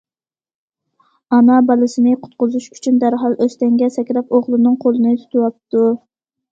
ئانا بالىسىنى قۇتقۇزۇش ئۈچۈن دەرھال ئۆستەڭگە سەكرەپ ئوغلىنىڭ قولىنى تۇتۇۋاپتۇ.